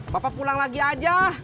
bapak pulang lagi aja